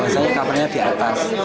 saya kamarnya di atas